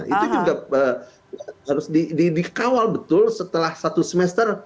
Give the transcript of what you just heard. itu juga harus dikawal betul setelah satu semester